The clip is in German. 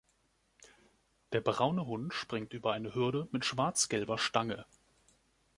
Der braune Hund springt über eine Hürde mit schwarz-gelber Stange.